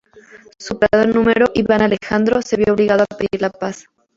Superado en número, Iván Alejandro se vio obligado a pedir la paz.